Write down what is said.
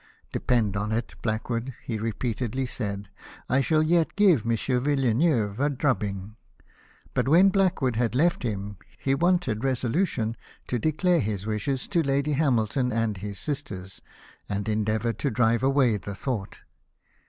" Depend on it, Blackwood," he repeatedly said, " I shall yet give M. Villeneuve a drubbing." But when Blackwood had left him, he wanted resolu tion to declare his wishes to Lady Hamilton and his sisters, and endeavoured to drive away the thought.